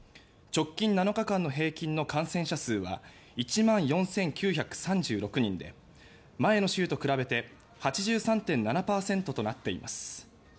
直近７日間の平均の感染者数は１万４９３６人で前の週と比べて８３．７％となっています。